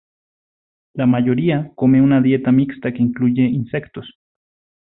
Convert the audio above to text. La mayoría come una dieta mixta que incluye insectos.